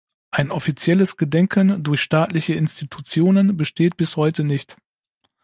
Ein offizielles Gedenken durch staatliche Institutionen besteht bis heute nicht.